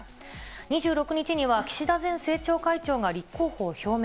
２６日には岸田前政調会長が立候補を表明。